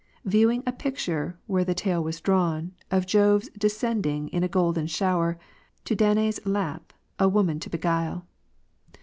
Viewing a picture, wliere the tale was drawn, Of Jove's descending in a golden shower To Danae's lap, a woman to beguile.